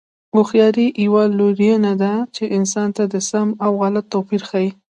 هوښیاري یوه لورینه ده چې انسان ته د سم او غلط توپیر ښيي.